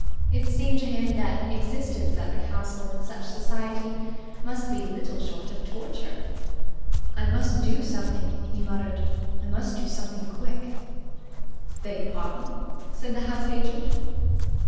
It seemed to him that existence at the castle in such society must be little short of torture. "I must do something," he muttered. "I must do something quick." "Beg pardon," said the house agent.